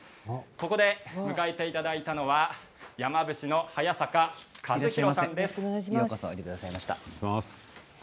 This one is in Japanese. ここで迎えていただいたのは山伏の早坂一弘さんです。